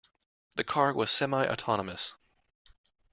The car was semi-autonomous.